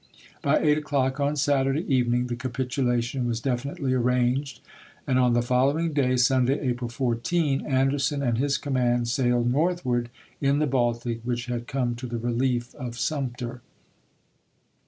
By eight o'clock on Saturday evening chap. in. the capitulation was definitely arranged, and on the following day, Sunday, April 14, Anderson and isei. his command sailed northward in the Baltic^ Avhich had come to the relief of Sumter.